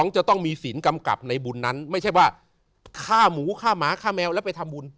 จะต้องมีสินกำกับในบุญนั้นไม่ใช่ว่าฆ่าหมูฆ่าหมาฆ่าแมวแล้วไปทำบุญ